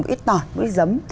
một ít tỏi một ít giấm